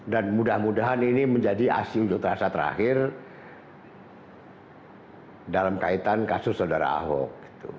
dan mudah mudahan ini menjadi aksi unjuk rasa terakhir dalam kaitan kasus saudara ahok